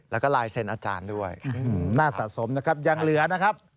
แล้วก็ลายเซ็นต์อาจารย์ด้วยน่าสะสมนะครับยังเหลือนะครับ